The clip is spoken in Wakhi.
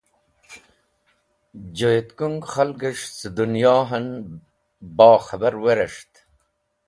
Joyetkũng k̃halgẽs̃h cẽ dẽnyon bokhẽbar werẽs̃ht.